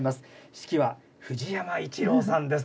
指揮は、藤山一郎さんです。